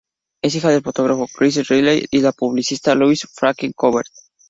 Es hija del fotógrafo Chris Ridley y de la publicista Louise Fawkner-Corbett.